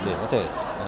để có thể